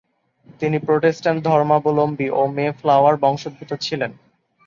তিনি প্রটেস্ট্যান্ট ধর্মাবলম্বী ও মে ফ্লাওয়ার বংশোদ্ভূত ছিলেন।